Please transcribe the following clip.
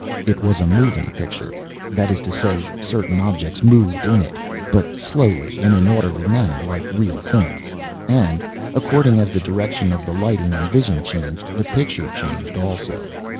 It was a moving picture: that is to say, certain objects moved in it, but slowly in an orderly manner like real things, and, according as the direction of the lighting and vision changed, the picture changed also.